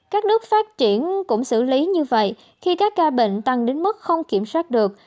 các nước phát triển cũng xử lý như vậy khi các ca bệnh tăng đến mức không kiểm soát được